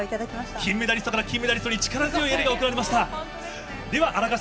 金メダリストから金メダリストに力強いエールが送られました。